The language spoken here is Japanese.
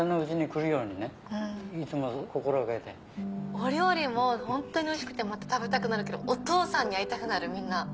お料理もホントにおいしくてまた食べたくなるけどお父さんに会いたくなるみんな。